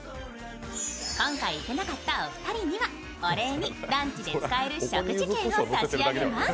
今回、いけなかったお二人にはランチで使える食事券を差し上げます。